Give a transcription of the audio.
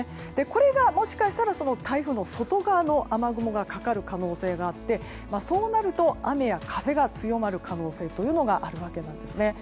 これがもしかしたらその台風の外側の雨雲がかかる可能性があってそうなると、雨や風が強まる可能性があるわけなんですね。